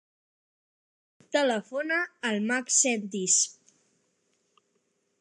Telefona al Max Sentis.